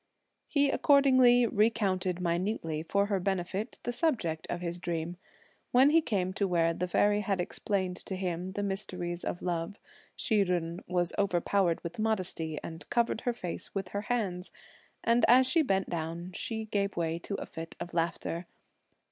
He accordingly recounted minutely, for her benefit, the subject of his dream. When he came to where the Fairy had explained to him the mysteries of love, Hsi Jen was overpowered with modesty and covered her face with her hands; and as she bent down, she gave way to a fit of laughter.